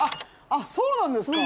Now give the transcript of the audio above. そうなんですか。